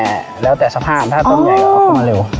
แต่แล้วแต่สภาพถ้าต้นใหญ่ก็เอาเข้ามาเร็ว